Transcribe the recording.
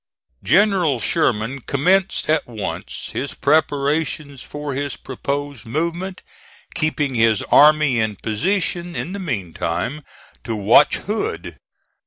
General Sherman commenced at once his preparations for his proposed movement, keeping his army in position in the meantime to watch Hood.